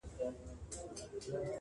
هم په زور او هم په ظلم آزمېیلي-